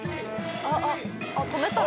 あっ止めたら。